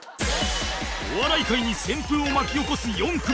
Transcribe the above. お笑い界に旋風を巻き起こす４組